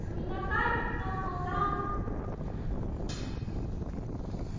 んんアンモさん！